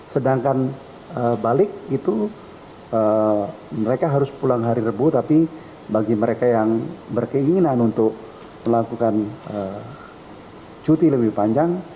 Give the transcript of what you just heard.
sedangkan balik itu mereka harus pulang hari rebu tapi bagi mereka yang berkeinginan untuk melakukan cuti lebih panjang